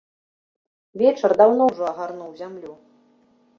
Вечар даўно ўжо агарнуў зямлю.